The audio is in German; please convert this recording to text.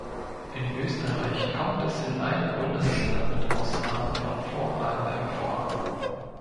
In Österreich kommt es in allen Bundesländern mit Ausnahme von Vorarlberg vor.